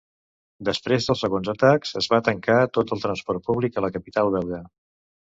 Després dels segons atacs, es va tancar tot el transport públic a la capital belga.